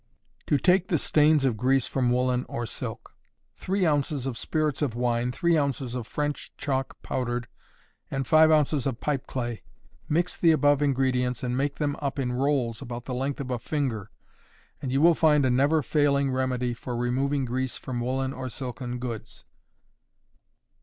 To take the Stains of Grease from Woolen or Silk. Three ounces of spirits of wine, three ounces of French chalk powdered, and five ounces of pipe clay. Mix the above ingredients, and make them up in rolls about the length of a finger, and you will find a never failing remedy for removing grease from woolen or silken goods.